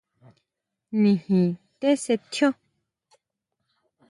Nijin tesetjio.